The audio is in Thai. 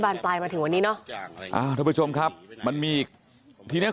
ปลายมาถึงวันนี้เนอะอ่าท่านผู้ชมครับมันมีอีกทีเนี้ย